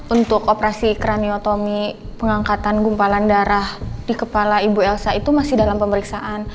untuk operasi kraniotomi pengangkatan gumpalan darah di kepala ibu elsa itu masih dalam pemeriksaan